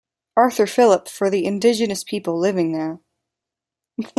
Arthur Phillip for the indigenous people living there.